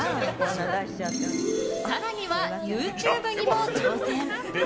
更には、ＹｏｕＴｕｂｅにも挑戦。